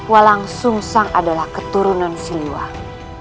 walang sungsa adalah keturunan siliwang